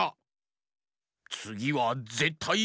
つぎはぜったい。